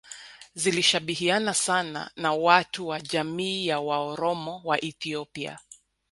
zilishabihiana sana na watu wa jamii ya Waoromo wa Ethiopia